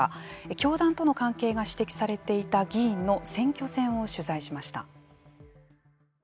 教団との関係が指摘されていた議員の選挙戦を取材しました。